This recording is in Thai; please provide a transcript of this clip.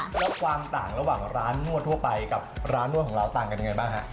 แล้วความต่างระหว่างร้านนวดทั่วไปกับร้านนวดของเราต่างกันยังไงบ้างฮะ